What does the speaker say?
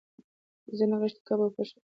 زه د نغښتلي کب او فش رول خوړل خوښوم.